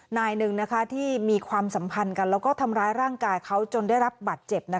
นายหนึ่งที่มีความสัมพันธ์กันแล้วก็ทำร้ายร่างกายเขาจนได้รับบัตรเจ็บ